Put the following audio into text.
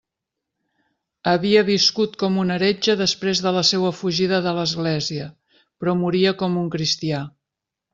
Havia viscut com un heretge després de la seua fugida de l'església, però moria com un cristià.